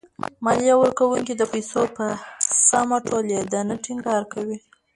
ماليه ورکوونکي د پيسو په سمه ټولېدنه ټېنګار کوي.